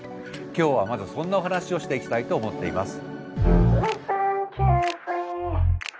今日はまずそんなお話をしていきたいと思っています。